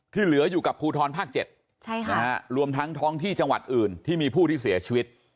เหลืออยู่กับภูทรภาค๗รวมทั้งท้องที่จังหวัดอื่นที่มีผู้ที่เสียชีวิต